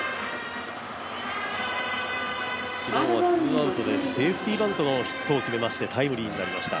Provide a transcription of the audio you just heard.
昨日はツーアウトでセーフティバントでヒットを打ちましてタイムリーになりました。